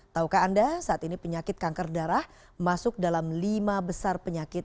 taukah anda saat ini penyakit kanker darah masuk dalam lima besar penyakit